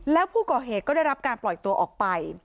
แล้วผู้ก่อเหตุก็ได้รับการปล่อยตัวออกไป